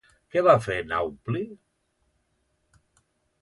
Què va fer Naupli?